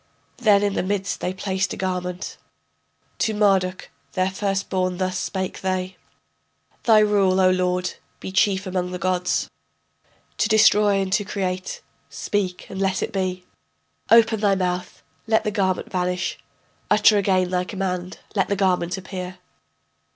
Then in the midst they placed a garment. To Marduk their first born thus spake they: Thy rule, O lord, be chief among the gods, To destroy and to create speak and let it be. Open thy mouth, let the garment vanish. Utter again thy command, let the garment appear.